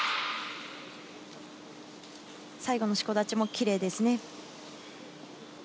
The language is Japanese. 最後の四股立ちもキレイですね。